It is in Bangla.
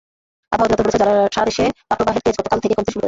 আবহাওয়া অধিদপ্তর বলেছে, সারা দেশে তাপপ্রবাহের তেজ গতকাল থেকে কমতে শুরু করেছে।